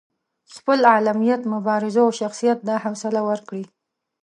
خپل علمیت، مبارزو او شخصیت دا حوصله ورکړې.